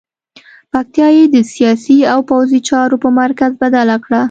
پکتیا یې د سیاسي او پوځي چارو په مرکز بدله کړه.